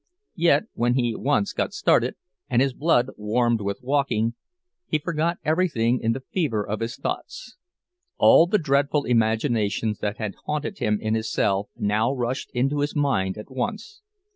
Yet, when he once got started, and his blood had warmed with walking, he forgot everything in the fever of his thoughts. All the dreadful imaginations that had haunted him in his cell now rushed into his mind at once.